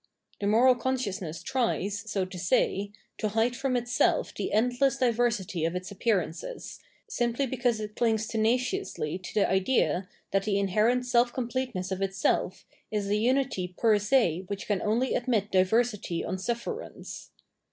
The moral consciousness tries, so to say, to hide from itself the endless diversity of its appearances, simply because it clings tenaciously to the idea that the inherent self completeness of itself is a unity per se which can only admit diversity on sufferance.